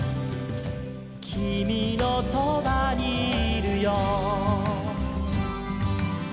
「きみのそばにいるよ」